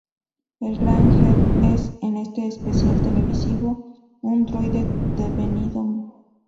El Gran Heep es, en este especial televisivo, un droide devenido malvado y tiránico.